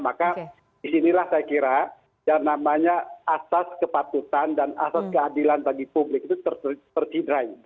maka disinilah saya kira yang namanya asas kepatutan dan asas keadilan bagi publik itu tercidrai